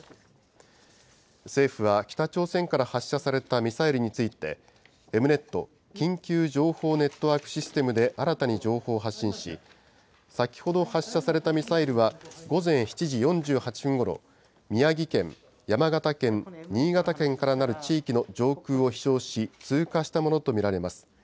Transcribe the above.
政府は北朝鮮から発射されたミサイルについて、Ｅｍ−Ｎｅｔ・緊急情報ネットワークシステムで新たに情報を発信し、先ほど発射されたミサイルは午前７時４８分ごろ、宮城県、山形県、新潟県からなる地域の上空を飛しょうし、通過したものと見られます。